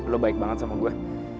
lo baik banget sama gue